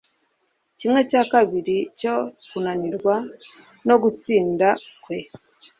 Kimwe cya kabiri cyo kunanirwa no gutsinda kwe